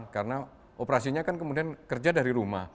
karena operasinya kan kemudian kerja dari rumah